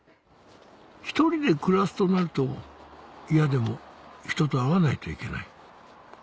１人で暮らすとなると嫌でも人と会わないといけない